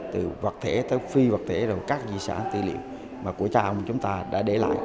từ vật thể tới phi vật thể rồi các di sản tư liệu mà của cha ông chúng ta đã để lại